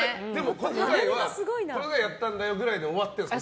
小遣いやったんだよぐらいで終わってるんですか？